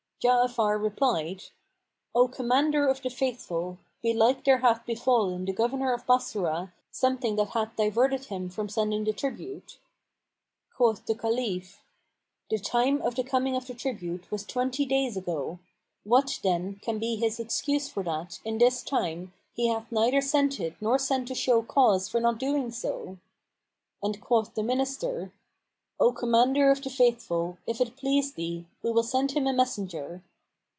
Ja'afar replied, "O Commander of the Faithful, belike there hath befallen the governor of Bassorah something that hath diverted him from sending the tribute." Quoth the Caliph, "The time of the coming of the tribute was twenty days ago; what then, can be his excuse for that, in this time, he hath neither sent it nor sent to show cause for not doing so?" And quoth the Minister, "O Commander of the Faithful, if it please thee, we will send him a messenger.